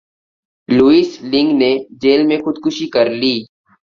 Louis لنگ نے jail میں خود کشی کر لی